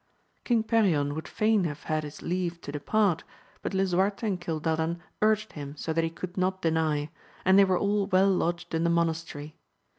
King Perion would fain have had his leave to depart, but Lisuarte and Cilda dan urged him so that he could not deny, and they were all well lodged in the monastery.